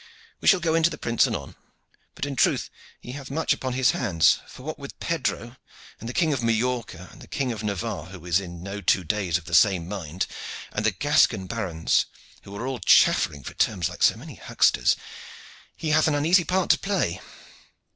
We shall go in to the prince anon; but in truth he hath much upon his hands, for what with Pedro, and the King of Majorca, and the King of Navarre, who is no two days of the same mind, and the Gascon barons who are all chaffering for terms like so many hucksters, he hath an uneasy part to play.